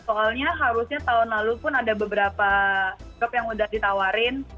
soalnya harusnya tahun lalu pun ada beberapa grup yang udah ditawarin